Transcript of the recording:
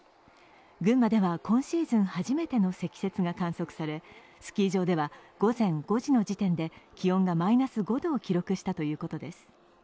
群馬では今シーズン初めての積雪が観測され、スキー場では午前５時の時点で気温がマイナス５度を記録したということです。